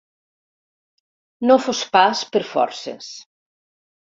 No fos pas per forces.